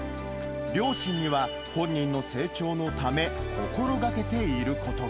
両親には本人の成長のため、心がけていることが。